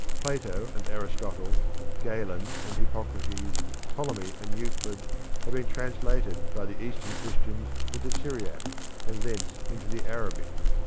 Plato and Aristotle, Galen and Hippocrates, Ptolemy and Euclid, had been translated by the Eastern Christians into Syriac, and thence into the Arabic.